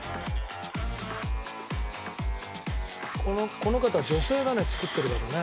「この方女性だね作ってる方ね」